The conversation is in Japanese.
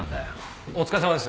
お疲れさまです。